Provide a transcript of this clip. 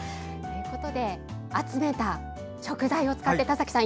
集めた食材を使って、田崎さん